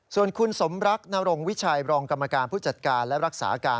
ส่วนคุณสมรักนรงวิชัยรองกรรมการผู้จัดการและรักษาการ